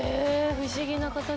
不思議な形。